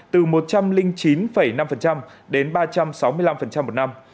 từ một trăm linh chín năm đến ba trăm sáu mươi năm một năm